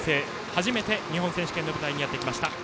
初めて日本選手権の舞台にやってきました。